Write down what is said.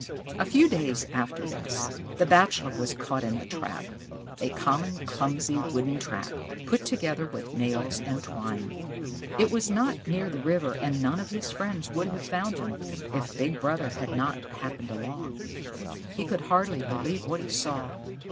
A few days after this, the Bachelor was caught in a trap a common, clumsy, wooden trap, put together with nails and twine. It was not near the river, and none of his friends would have found him, if Big Brother had not happened along. He could hardly believe what he saw.